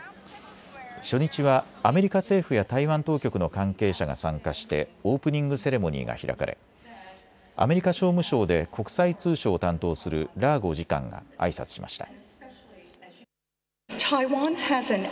初日はアメリカ政府や台湾当局の関係者が参加してオープニングセレモニーが開かれアメリカ商務省で国際通商を担当するラーゴ次官があいさつしました。